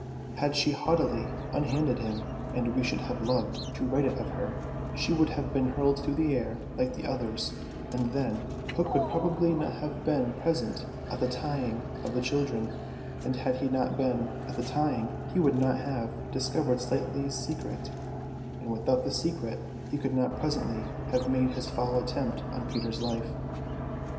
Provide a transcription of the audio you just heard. Had she haughtily unhanded him (and we should have loved to write it of her), she would have been hurled through the air like the others, and then Hook would probably not have been present at the tying of the children; and had he not been at the tying he would not have discovered Slightly's secret, and without the secret he could not presently have made his foul attempt on Peter's life.